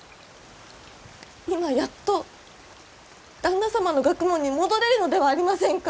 今やっと旦那様の学問に戻れるのではありませんか！